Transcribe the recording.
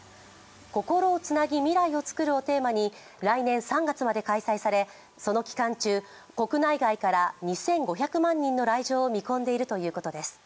「心をつなぎ、未来を創る」をテーマに来年３月まで開催されその期間中、国内外から２５００万人の来場を見込んでいるということです。